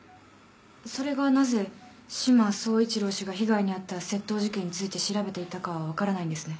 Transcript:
それがなぜ志摩総一郎氏が被害に遭った窃盗事件について調べていたかは分からないんですね。